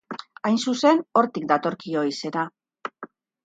Hain zuzen, hortik datorkio izena.